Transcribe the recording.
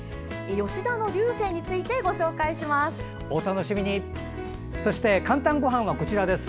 吉田の龍勢についてご紹介します。